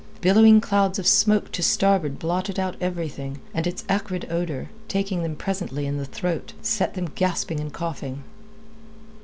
Billowing clouds of smoke to starboard blotted out everything, and its acrid odour, taking them presently in the throat, set them gasping and coughing.